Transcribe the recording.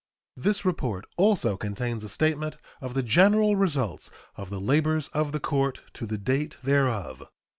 This report also contains a statement of the general results of the labors of the court to the date thereof.